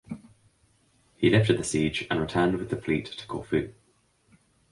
He lifted the siege and returned with the fleet to Corfu.